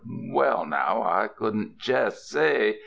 Well, now, I couldn't jest say.